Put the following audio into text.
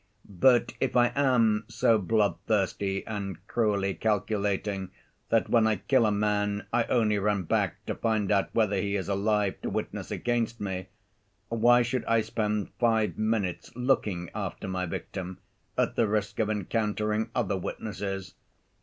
But if I am so bloodthirsty and cruelly calculating that when I kill a man I only run back to find out whether he is alive to witness against me, why should I spend five minutes looking after my victim at the risk of encountering other witnesses?